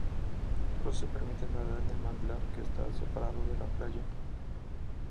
Solo se permite nadar en el manglar que está separado de la playa.